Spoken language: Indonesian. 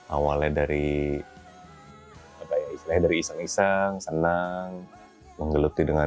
awalnya dari iseng iseng senang menggeluti dengan